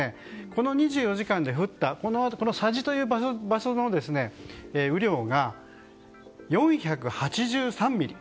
この２４時間で降った佐治という場所の雨量が４８３ミリ。